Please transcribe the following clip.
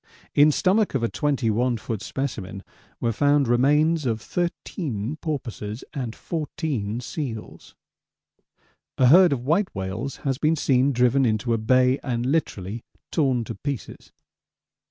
In stomach of a 21 ft. specimen were found remains of 13 porpoises and 14 seals. A herd of white whales has been seen driven into a bay and literally torn to pieces.